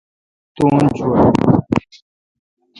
تو ان چھور بھو اؘ۔